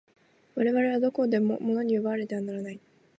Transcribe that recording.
我々はどこまでも物に奪われてはならない。